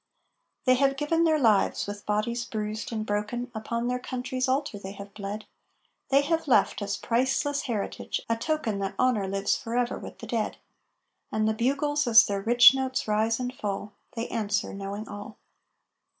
They have given their lives, with bodies bruised and broken, Upon their Country's altar they have bled; They have left, as priceless heritage, a token That Honor lives forever with the dead. And the Bugles, as their rich notes rise and fall They answer, knowing all.